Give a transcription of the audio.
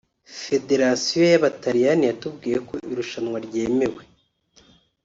"Federasiyo y’Abataliyani yatubwiye ko irushanwa ryemewe